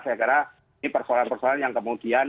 saya kira ini persoalan persoalan yang kemudian